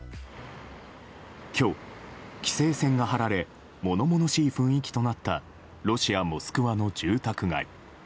今日、規制線が張られ物々しい雰囲気となったロシア・モスクワの住宅街。